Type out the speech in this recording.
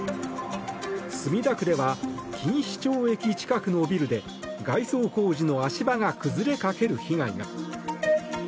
墨田区では錦糸町駅近くのビルで外装工事の足場が崩れかける被害が。